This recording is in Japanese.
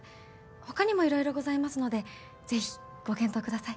ほかにもいろいろございますのでぜひご検討ください。